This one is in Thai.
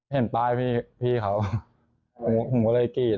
เห็นป้ายพี่เขาผมก็เลยกรีด